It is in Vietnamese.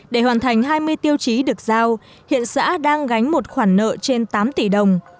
để hoàn thành hai mươi tiêu chí được giao hiện xã đang gánh một khoản nợ trên tám tỷ đồng